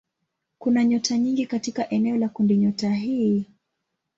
Kuna nyota nyingi katika eneo la kundinyota hii.